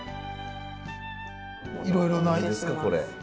いろいろな何ですかこれ？